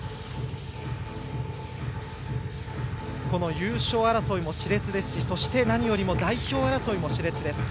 優勝争いもしれつですし何よりも代表争いもしれつです。